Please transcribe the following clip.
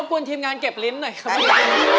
คุณทีมงานเก็บลิ้นหน่อยครับ